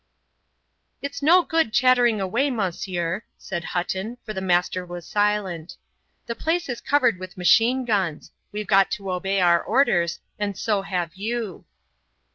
"It's no good chattering away, Monsieur," said Hutton, for the Master was silent. "The place is covered with machine guns. We've got to obey our orders, and so have you."